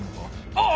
ああ！